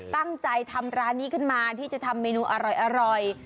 ตั้งใจทำร้านนี้ขึ้นมาที่จะทำเมนูอร่อย